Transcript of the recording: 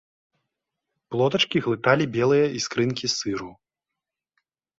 Плотачкі глыталі белыя іскрынкі сыру.